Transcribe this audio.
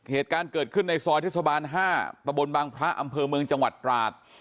เหตุการณ์เกิดขึ้นในซอยเทศบาล๕ตะบนบางพระอำเภอเมืองจังหวัดตราด